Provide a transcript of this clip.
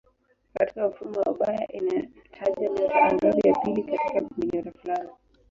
Katika mfumo wa Bayer inataja nyota angavu ya pili katika kundinyota fulani.